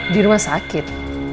di rumah sakit